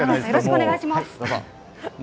よろしくお願いします。